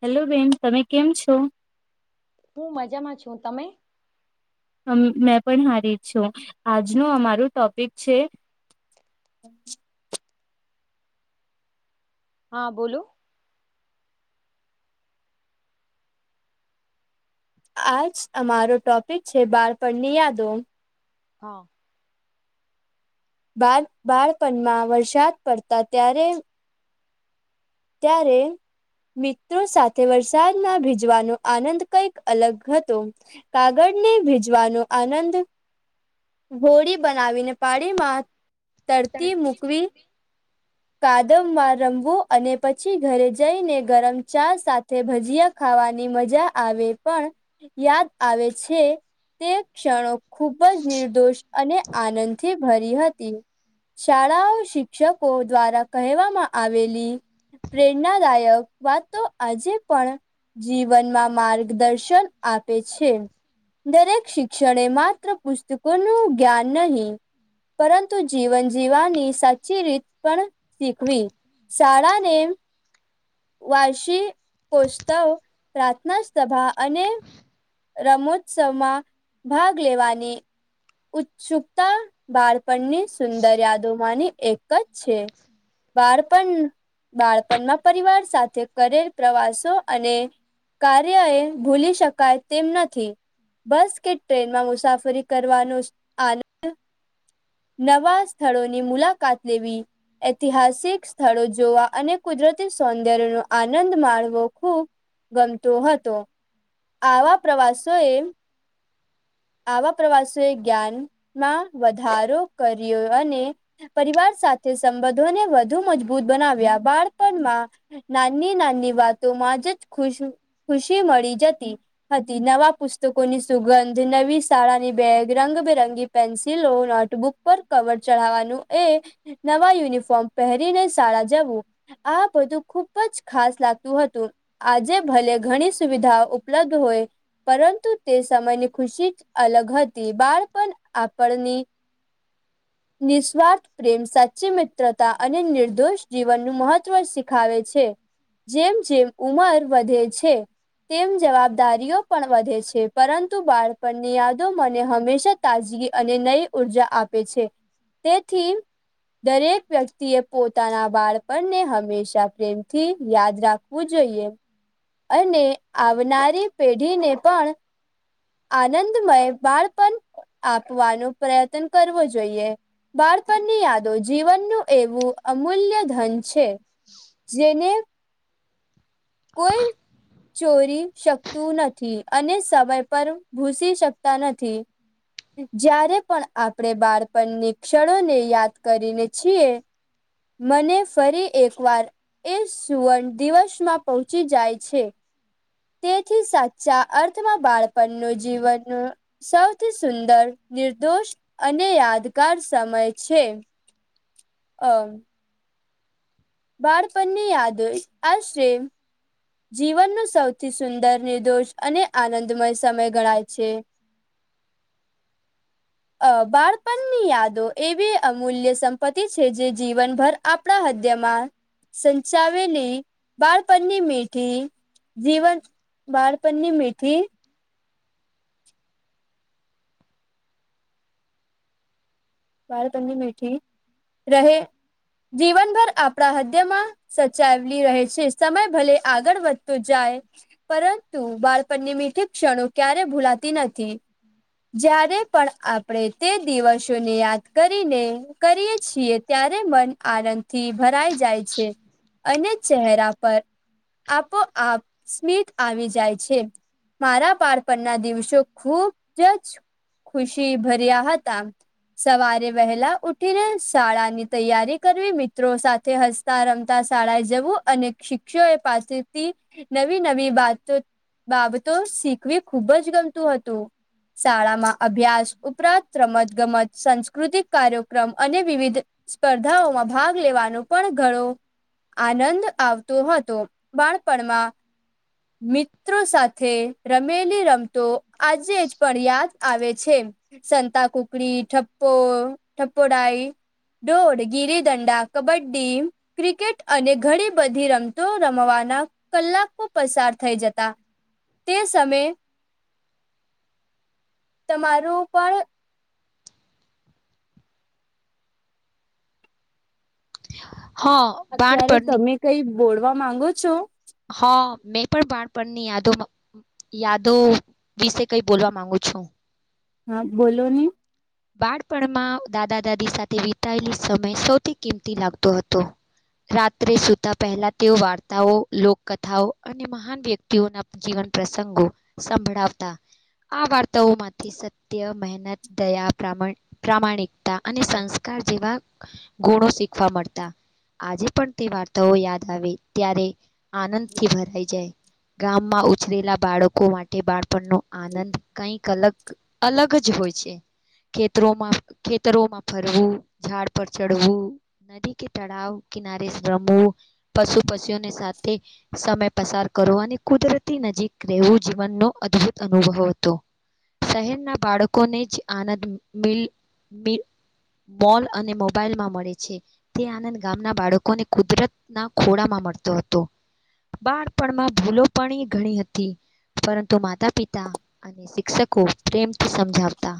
Hello બેન તમે કેમ છો? હું મજામાં છું તમે? અમે પણ મેં પણ હારી છું આજનું અમારું ટોપિક છે હા બોલો આજ અમારો ટોપિક છે બાળપણની યાદો હા બાળ બાળપણમાં વરસાદ પડતા ત્યારે ત્યારે મિત્રો સાથે વરસાદમાં ભીજવાનો આનંદ કંઈક અલગ હતો કાગળ ને ભીજવાનો આનંદ હોળી બનાવીને પાણીમાં તરતી મૂકવી કાદવ માં રમવું અને પછી ઘરે જઈને ગરમ ચા સાથે તે ભજીયા ખાવાની મજા આવે પણ યાદ આવે છે તે ક્ષણો ખુબ જ નિર દોષ અને આનંદથી ભરી હતી. શાળાઓ શિક્ષકો દ્વારા કહેવામાં આવેલી પ્રેરણનાદાયક વાતો આજે પણ જીવનમાં માર્ગદર્શન આપે છે. દરેક શિક્ષણે માત્ર પુસ્તકોનું જ્ઞાન નહીં પરંતુ જીવન જીવાની સાચી રીત પણ શીખવી શાળાને વાર્શી કોત્સવ પ્રાર્થના સભા અને રમોત્સવમાં ભાગ લેવાની ઉત્સુકતા બાળપણની સુંદર યાદોમાંની એક જ છે. બાળપન બાળપણમાં પરિવાર સાથે કરેલ પ્રવાસો અને કાર્ય એ ભૂલી શકાય તેમ નથી બસ કે ટ્રેનમાં મુસાફરી કરવાનો જ આનંદ નવા સ્થળોની મુલાકાત લેવી ઐતિહાસિક સ્થળો જોવા અને કુદરતી સૌંદર્યનો આનંદ માણવો ખૂબ ગમતો હતો. આવા પ્રવાસો એ આવા પ્રવાસીઓએ જ્ઞાનમાં વધારો કર્યો અને પરિવાર સાથે સંબધોને વધુ મજબૂત બનાવ્યા બાળપણમાં નાની નાની વાતો માજ જ ખુશ ખુશી મળી જતી હતી નવા પુસ્તકોની સુગંધ જે નવી શાળાની બેગ રંગબેરંગી પેન્સિલો નોટબુક પર કવર ચઢાવવાનું એ નવા યુનિફોર્મ પહેરીને શાળા જવું આ બધું ખુબ જ ખાસ લાગતું હતું. આજે ભલે ઘણી સુવિધાઓ ઉપલબ્ધ હોય પરંતુ તે સમયની ખુશી જ અલગ હતી બાળ પાણ આપણની નિસ્વાર્થ પ્રેમ સાચી મિત્રતા અને નિર્દોષ જીવનનું મહત્વ શીખાવે છે. જેમ જેમ ઉમર વધે છે. તેમ જવાબદારીઓ પણ વધે છે પરં પરતુ બાળપણની યાદો મને હંમેશા તાજગી અને નઈ ઉર્જા આપે છે. તેથી દરેક વ્યક્તિ એ પોતાના બાળપણને હંમેશા પ્રેમથી યાદ રાખવું જોઈએ. અને આવનારી પેઢીને પણ આનંદમય બાણપણ આપવાનો પ્રયત્ન કરવો જોઈએ. બાળપણ ની યાદો જીવનનું એવું અમૂલ્ય ધન છે જેને કોઈ ચોરી શકતું નથી અને સમય પર ભૂસી શકતા નથી. જ્યારે પણ આપણે બાળપણની ક્ષણો ને યાદ કરીને છીએ. મને ફરી એકવાર એ સુવર્ણ દિવસમાં પહોંચી જાય છે. તેથી સાચા અર્થમાં બાળપણનું જીવન અ સૌથી સુંદર, નિર્દોષ અને યાદગાર સમય છે. અ બાળપન ની યાદો આશરે જીવનનું સૌથી સુંદર નિર્દોષ અને આનંદમય સમય ગણાય છે. [inaudible] અ બાળપણ ની યાદો એવી અમૂલ્ય સંપત્તિ છે જે જીવનભર આપણા હદ્યમાં સંચાવેલી બાળપણ ની મી ઠિ જીવન બાળપણની મીઠી બાળપણની મીઠી રહે જીવનભર આપડા હદ્યમાં સચાવેલી રહે છે. સમય ભલે આગળ વધતો જાય પરંતુ બાળપણની મીઠી ક્ષણો ક્યારે ભૂલાતી નથી. જ્યારે પણ આપણે તે દિવસોને યાદ- - કરીને કરીએ છીએ ત્યારે મન આનંદ થી ભરાઈ જાય છે. અને ચહેરા પર આપોઆપ સ્મિત આવી જાય છે. મારા બાળપણના દિવસો ખુબ જ ખુશી ભર્યા હતા. સવારે વહેલા ઉઠીને, શાળાની તૈયારી કરવી. મિત્રો સાથે હસ- - રમતા રમતા શાળાએ જવું અને શિક્ષક એ પાસેથી નવી નવી વાતો- - બાબતો શીખવી ખુબ જ ગમતું હતું. શાળામાં- - અભ્યાસ ઉપરાંત રમત ગમત- - સાસ્કૃતિક કાર્યક્રમ અને વિવિધ સ્પર્ધાઓમાં ભાગ લેવાનો પણ ઘણો- - આનંદ આવતો હતો. બાળપણમાં- - મિત્રો સાથે રમેલી રમતો- - આજે પણ યાદ આવે છે. સંતાકુકડી, થપ- - પો, ઠપોડાઈ, ડોળ, ગિરી દંડા, કબડ્ડી- - ક્રિકેટ અને ઘણી બધી રમતો રમવાના- - કલાકો પસાર થઈ જતા તે સમયે- - તમારું પણ- - હા. અત્યારે બાણપણની તમે કઈ બોલવા માંગો છો? હા મેં પણ બાળપણની યાદોમાં- - યાદો વિશે કઈ બોલવા માંગુ છું. હા બોલો ની- - બાળપણમાં દાદા, દાદી સાથે વિતાયેલી સમય સૌથી કિંમતી લાગતો હતો. રાત્રે સુતા પહેલા તેઓ વાર્તાઓ, લોકકથાઓ અને મહાન વ્યક્તિ- - ઓ ના જીવન પ્રસંગો સંભળાવતા. આ વાર્તાઓ માંથી સત્ય મહેનત દયા પ્ર પ્રમાણિકતા અને સંસ્કાર જેવા ગુણો શીખવા મળતા આજે પણ તે વાર્તાઓ યાદ આવે ત્યારે આનંદથી ભરાઈ જાય. ગામમાં ઉછરેલા બાળકો માટે બાળપણનો આનંદ કઈક અલગ અલગ જ હોય છે. ખેતરોમાં ખેતરોમાં ફરવું ઝાડ પર ચડવું નદી કે તળાવ કિનારે રમવું પશુ પશીઓને સાથે સમય પસાર કરવાની કુદરતી નજીક રહેવું જીવનનો અદભુત અનુભવ હતો શહેરના બાળકોને જ આનંદ મિલ મિ મોલ અને મોબાઈલ માં મળે છે. તે આનંદ ગામના બાળકોને કુદરતના ખોડામાં મળતો હતો. બાળપણમાં ભૂલો પણ ઘણી હતી પરંતુ માતા પિતા અને શિક્ષકો પ્રેમથી સમજાવતા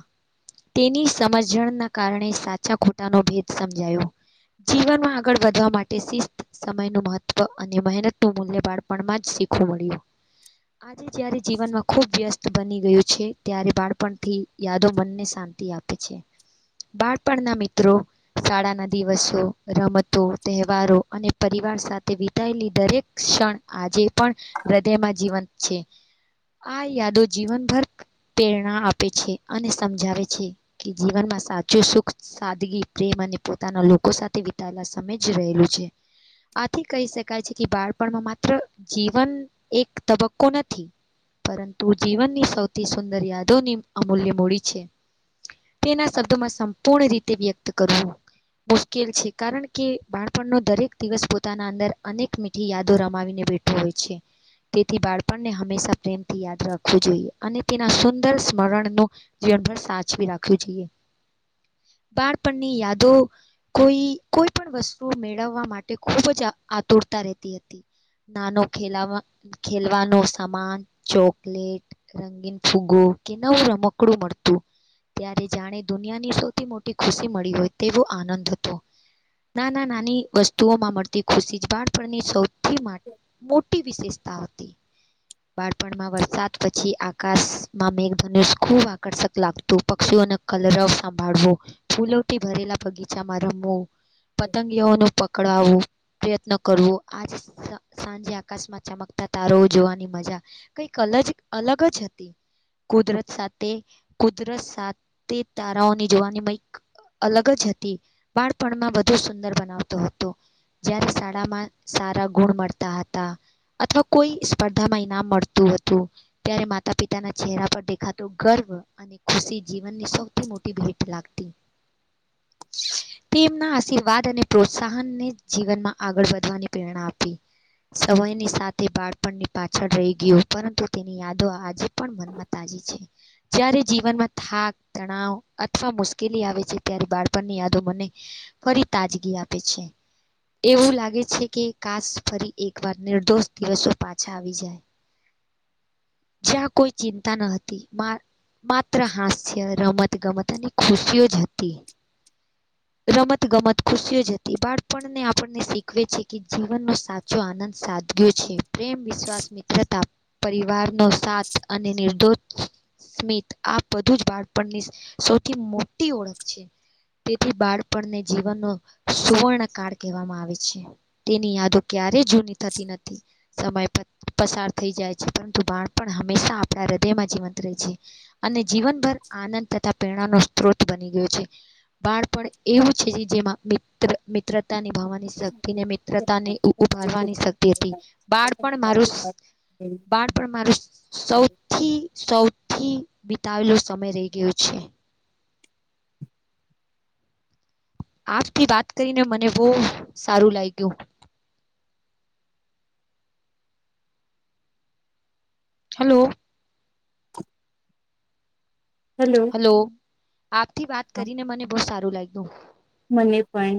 તેની સમજણના કારણે સાચા ખોટાનો ભેદ સમજાયો જીવનમાં આગળ વધવા માટે શિસ્ત સમય નું મહત્વ અને મહેનત નું મૂલ્ય બાળ પણ માં જ શીખવુ આજે જયારે જીવનમાં ખુબ વ્યસ્ત બની ગયું છે ત્યારે બાળપણથી યાદો મનને શાંતિ આપે છે. બાળપણના મિત્રો શાળાના દિવસો રમતો તહેવારો અને પરિવાર સાથે વિતાયેલી દરેક ક્ષણ આજે પણ હૃદયમાં જીવંત છે. આ યાદો જીવનભર પ્રેરણા આપે છે અને સમજાવે છે. છે કે જીવનમાં સાચું સુખ સાદગી પ્રેમ અને પોતાના લોકો સાથે વિતાયેલા સમય જ રહેલું છે. આથી કહી શકાય છે કે બાળપણમાં માત્ર જીવન એક તબક્કો નથી. પરંતુ જીવનની સૌથી સુંદર યાદોની અમૂલ્ય મૂડી છે. તેના શબ્દો માં સંપૂર્ણ રીતે વ્યક્ત કરવું મુશ્કેલ છે કારણ કે બાળપણનો દરેક દિવસ પોતાના અંદર અનેક મીઠી યાદો રમાવીને બેઠો હોય છે. તેથી બાળપણને હંમેશા પ્રેમથી યાદ રાખવું જોઈએ અને તેના સુંદર સ્મરણનું જીવનભર સાચવી રાખવી જોઈએ બાળપણની યાદો કોઈ કોઈ પણ વસ્તુ મેળવવા માટે ખૂબ જ આતુરતા રહેતી હતી. નાનો ખેલાવા ખેલવાનો સમાન ચોકલેટ રંગીન ફુગ્ગો કે નવું રમકડું મળતું ત્યારે જાણે દુનિયાની સૌથી મોટી ખુશી મળી હોય તેવો આનંદ હતો નાના નાની વસ્તુઓ માં મળતી ખુશી જ બાળપણની સૌથી માં મોટી વિશેષતા હતી. બાળપણમાં વરસાદ પછી આકાશમાં મેઘધનુષ ખુબ આકર્ષક લાગ તું પક્ષીઓને કલરવ સંભાળવો ફૂલો થી ભરેલા બગીચામાં રમવુ પતંગીયાઓ નું પકડાવું પ્રયત્ન કરવો આજ સાંજે આકાશમાં ચમકતા તારો જોવાની મજા કઈક અલ જ અલગ જ હતી કુદરત સાથે કુદરત સાથે તારાઓની જોવાની કંઈક અલગ જ હતી બાળપણમાં વધુ સુંદર બનાવતો હતો જયારે શાળામાં સારા ગુણ મળતા હતા. અથવા કોઈ સ્પર્ધામાં ઈનામ મળતું હતું. ત્યારે માતા પિતાના ચહેરા પર દેખાતો ગર્વ અને ખુશી જીવન ની સૌથી મોટી ભેટ લાગતી [inaudible] તેમના આશીર્વાદ અને પ્રોત્સાહનને જીવનમાં આગળ વધવાની પ્રેરણા આપી સમયની સાથે બાળપણની પાછળ રહી ગયું પરંતુ તેની યાદો આજે પણ મન માં તાજી છે જ્યારે જીવનમાં થાક, તણાવ અથવા મુશ્કેલી આવે છે ત્યારે બાળપણની યાદો મને ફરી તાજગી આપે છે. એવું લાગે છે કે કાસ ફરી એકવાર નિર્દોષ દિવસો પાછા આવી જાય. જ્યાં કોઈ ચિંતા ન હતી મા માત્ર હાસ્ય રમત, ગમત અને ખુશીઓ જ હતી. [inaudible] રમત ગમત ખુશીઓ જ હતી. બાળપણને આપણને શીખવે છે કે જીવનનો સા સાચો આનંદ સાદગયો છે. પ્રેમ, વિશ્વાસ, મિત્રતા, પરિવાર નો સાથ અને નિર્દોષ સ્મિત આ બધું જ બાળપણની સૌથી મોટી ઓળખ છે. તેથી બાળપણને જીવનનો સુવર્ણ કાળ કહેવામાં આવે છે. તેની યાદો ક્યારેય જૂની થતી નથી. સમય પસાર થઈ જાય છે પરંતુ બા બાળપણ હંમેશા આપણા હૃદયમાં જીવંત રહે છે. અને જીવનભર આનંદ તથા પ્રેરણા નો સ્ત્રોત બની ગયો છે. બાળપણ એવું છે જેમાં મિત્ર મિત્રતા નીભાવાની શક્તિ ને મિત્રતાની ઉભારવાની શક્તિ હતી. બાળપણ મારું બાળપણ મારું સૌથી સૌથી બિતાવેલો સમય રહી ગયો છે. આપ થી વાત કરીને મને બો સારું લાગ્યું. હલો. હલો. હલો. આપથી વાત કરીને મને બો સારું લાગ્યું. મને પણ